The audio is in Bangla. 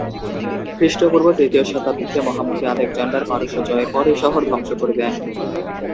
খ্রিস্টপূর্ব তৃতীয় শতাব্দিতে মহামতি আলেকজান্ডার পারস্য জয়ের পর এই শহর ধ্বংস করে দেন।